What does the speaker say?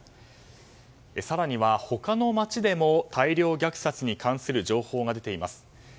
更には他の街でも大量虐殺に関する情報が出ています。